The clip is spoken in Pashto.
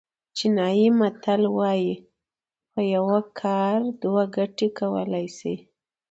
چینایي متل وایي په یو کار دوه ګټې کولای شي.